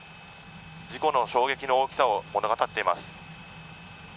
事故の衝撃の大きさを物語っています。